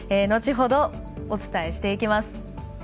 後ほど、お伝えしていきます。